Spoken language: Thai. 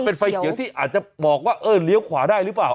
เป็นไฟเขียวที่อาจจะบอกว่าเออเลี้ยวขวาได้หรือเปล่า